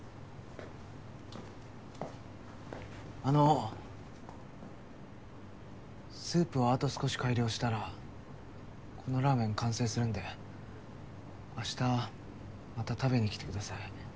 あのスープをあと少し改良したらこのラーメン完成するんで明日また食べに来てください。